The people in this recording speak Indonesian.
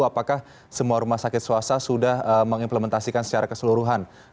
apakah semua rumah sakit swasta sudah mengimplementasikan secara keseluruhan